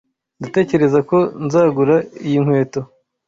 Ndatekereza ko nzagura iyi nkweto.